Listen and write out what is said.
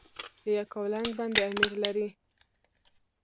د یکاولنګ بند امیر لري